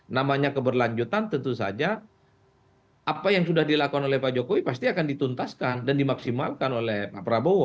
namanya keberlanjutan tentu saja apa yang sudah dilakukan oleh pak jokowi pasti akan dituntaskan dan dimaksimalkan oleh pak prabowo